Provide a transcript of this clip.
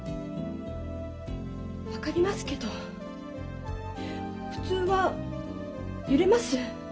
分かりますけど普通は揺れます。